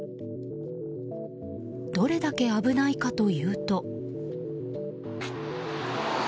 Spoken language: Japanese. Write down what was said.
どれだけ危ないかというと。